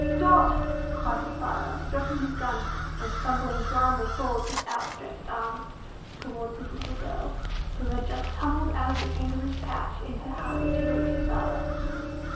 "Dot!" cried her father, dropping his gun, and stumbling blindly forward with outstretched arms, towards his little girl, who had just tumbled out of the Kangaroo's pouch in her hurry to reach her father.